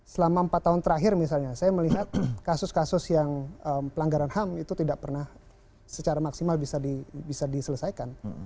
selama empat tahun terakhir misalnya saya melihat kasus kasus yang pelanggaran ham itu tidak pernah secara maksimal bisa diselesaikan